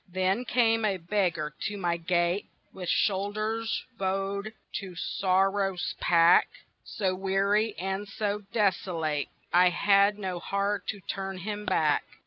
Then came a beggar to my gate With shoulders bowed to sorrow's pack, So weary and so desolate I had no heart to turn him back.